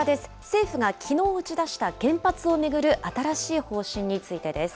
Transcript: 政府がきのう打ち出した原発を巡る新しい方針についてです。